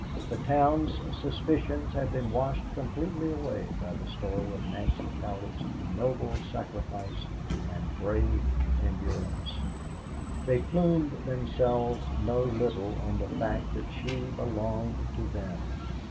The town's suspicions had been washed completely away by the story of Nancy Cowder's noble sacrifice and brave endurance. They plumed themselves no little on the fact that she belonged to them.